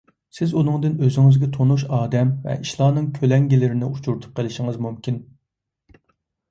سىز ئۇنىڭدىن ئۆزىڭىزگە تونۇش ئادەم ۋە ئىشلارنىڭ كۆلەڭگىلىرىنى ئۇچرىتىپ قېلىشىڭىز مۇمكىن.